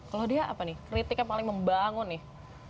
kalau dia apa nih kritiknya paling membangun nih